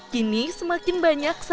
kini semakin banyak sanggar